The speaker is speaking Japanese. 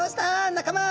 仲間。